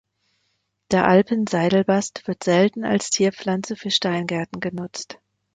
Der Alpen-Seidelbast wird selten als Zierpflanze für Steingärten genutzt.